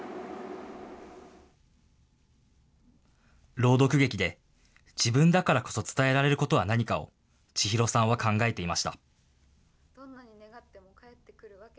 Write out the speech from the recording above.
朗読劇で、自分だからこそ伝えられることは何かを千裕さんは考えていました。